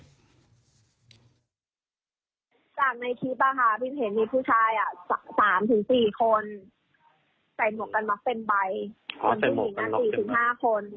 จากในคลิปป่ะคะพี่เห็นมีผู้ชายสามถึงสี่คน